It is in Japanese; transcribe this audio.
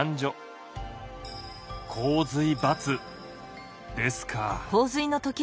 「洪水×」ですか。